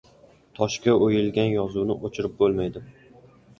• Toshga o‘yilgan yozuvni o‘chirib bo‘lmaydi.